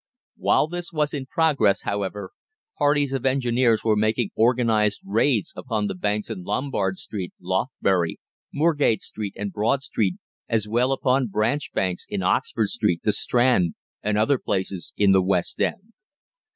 While this was in progress, however, parties of engineers were making organised raids upon the banks in Lombard Street, Lothbury, Moorgate Street, and Broad Street, as well as upon branch banks in Oxford Street, the Strand, and other places in the West End.